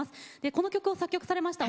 この曲を作曲されました